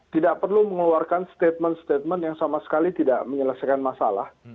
tidak perlu mengeluarkan statement statement yang sama sekali tidak menyelesaikan masalah